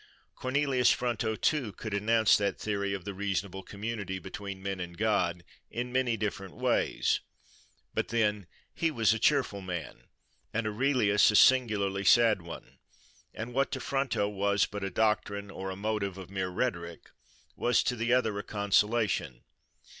Cornelius Fronto too could enounce that theory of the reasonable community between men and God, in many different ways. But then, he was a cheerful man, and Aurelius a singularly sad one; and what to Fronto was but a doctrine, or a motive of mere rhetoric, was to the other a consolation.